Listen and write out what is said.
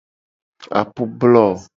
Apublo.